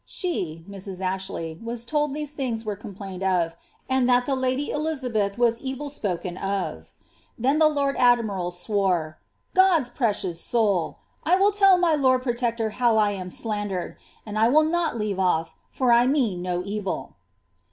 She (Mrs. Ashley) was told these things were complained of, and that the lady Elizabeth was evil spoken o£ Then the lord admiral swore — ^God's precious soul! I will tell my lord protector how 1 am slandered *, and 1 will not leave off^ for I mean no evil.'